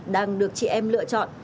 đang được chị em lựa chọn